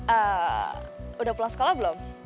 ah udah pulang sekolah belum